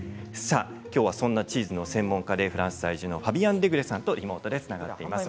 きょうは、そんなチーズの専門家でフランス在住のファビアン・デグレさんとリモートでつながっています。